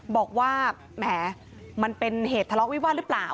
บอกว่าแหมมันเป็นเหตุทะเลาะวิวาสหรือเปล่า